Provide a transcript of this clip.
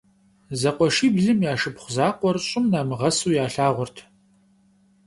Зэкъуэшиблым я шыпхъу закъуэр щӀым намыгъэсу ялъагъурт.